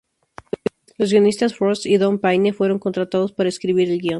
Los guionistas Frost y Don Payne fueron contratados para escribir el guion.